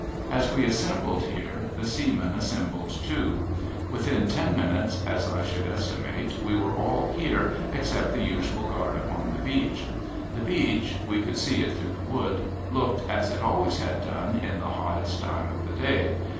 As v^'e assembled here, the seamen assembled too. '\^'ithin ten minutes, as I should estimate, we were all here, except the usual guard upon the beach. The beach (we could see it through the wood) looked as it always had done in the hottest time of the day.